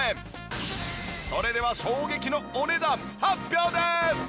それでは衝撃のお値段発表です！